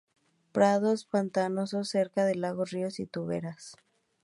Prados pantanosos cerca de lagos, ríos y turberas.